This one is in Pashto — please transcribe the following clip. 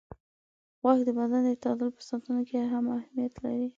غوږ د بدن د تعادل په ساتنه کې هم اهمیت لري.